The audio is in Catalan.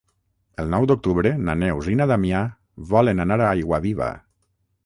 El nou d'octubre na Neus i na Damià volen anar a Aiguaviva.